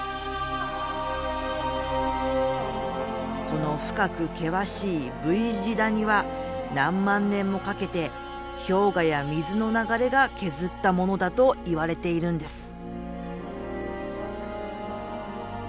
この深く険しいＶ字谷は何万年もかけて氷河や水の流れが削ったものだといわれているんです。